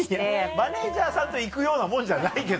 マネジャーさんと行くようなもんじゃないけどね。